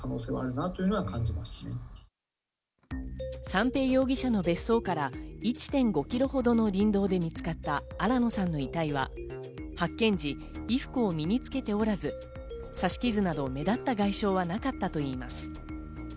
三瓶容疑者の別荘から１．５キロほどの林道で見つかった新野さんの遺体は、発見時、衣服を身に着けておらず、刺し傷など目立った外傷はなかったといいます。